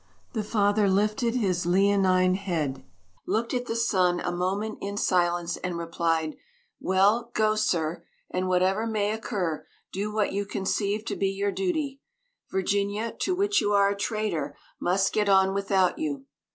The father lifted his leonine head, looked at the son a moment in silence, and replied: "Well, go, sir, and, whatever may occur, do what you conceive to be your duty. Virginia, to which you are a traitor, must get on without you.